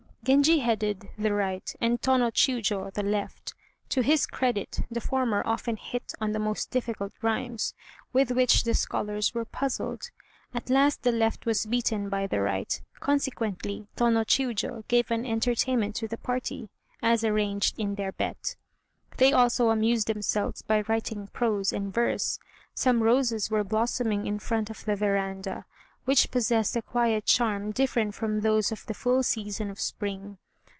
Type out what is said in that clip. Genji headed the right, and Tô no Chiûjiô the left. To his credit the former often hit on the most difficult rhymes, with which the scholars were puzzled. At last the left was beaten by the right, consequently Tô no Chiûjiô gave an entertainment to the party, as arranged in their bet. They also amused themselves by writing prose and verse. Some roses were blossoming in front of the veranda, which possessed a quiet charm different from those of the full season of spring.